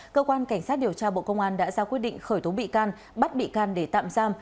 cơ quan cảnh sát điều tra bộ công an đã ra quyết định khởi tố bị can bắt bị can để tạm giam